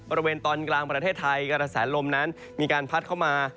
บริเวณตอนกลางประเทศไทยกระแสลมนั้นมีการพัดเข้ามา